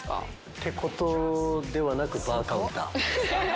ってことではなくバーカウンター。